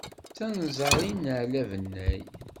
D tanzarin n aɛli abennay.